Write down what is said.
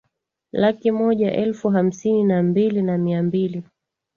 laki moja elfu hamsini na mbili na mia mbili